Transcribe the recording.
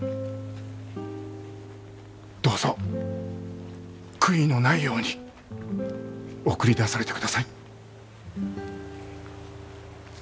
どうぞ悔いのないように送り出されてください。